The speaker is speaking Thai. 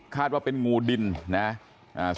ว่าเป็นงูดินนะครับ